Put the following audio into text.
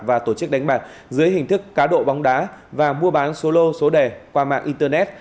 và tổ chức đánh bạc dưới hình thức cá độ bóng đá và mua bán số lô số đề qua mạng internet